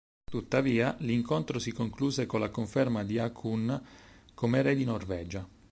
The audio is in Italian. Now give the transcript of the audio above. Tuttavia, l'incontro si concluse con la conferma di Haakon come re di Norvegia.